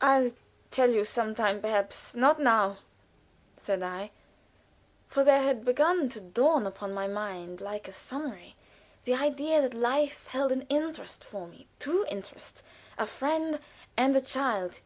"I'll tell you some time perhaps, not now," said I, for there had begun to dawn upon my mind, like a sun ray, the idea that life held an interest for me two interests a friend and a child.